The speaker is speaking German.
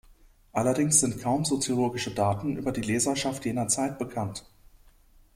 Allerdings sind kaum soziologische Daten über die Leserschaft jener Zeit bekannt.